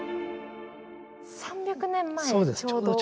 ３００年前ちょうど。